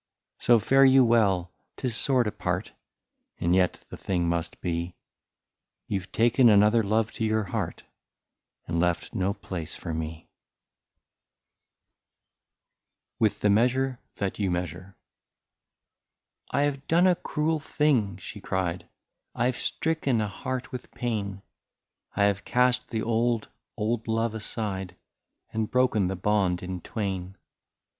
*' So fare you well — 't is sore to part, And yet the thing must be, — You Ve taken another love to your heart, And left no place for me/* 21 WITH THE MEASURE THAT YOU MEASURE ^' I HAVE done a cruel thing," she cried, *^ I have stricken a heart with pain ; I have cast the old, old love aside. And broken the bond in twain.